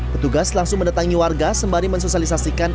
petugas langsung mendatangi warga sembari mensosialisasikan